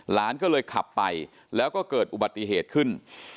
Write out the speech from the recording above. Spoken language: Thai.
หลานก็เลยขับไปแล้วก็เกิดอุบัติเหตุขึ้น